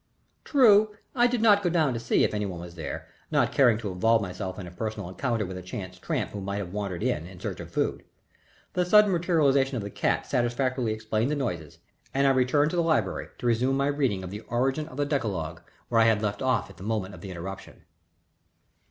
True, I did not go down to see if any one were there, not caring to involve myself in a personal encounter with a chance tramp who might have wandered in, in search of food. The sudden materialization of the cat satisfactorily explained the noises, and I returned to the library to resume my reading of The Origin of the Decalogue where I had left off at the moment of the interruption.